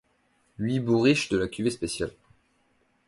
Huit bourriches de la cuvée spéciale.